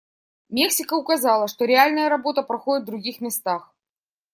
Мексика указала, что реальная работа проходит в других местах.